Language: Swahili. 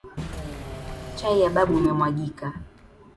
Chai ya babu imemwagika.